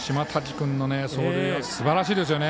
君の送球がすばらしいですね。